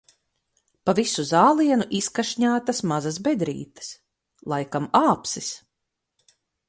Pa visu zālienu izkašņātas mazas bedrītes - laikam āpsis.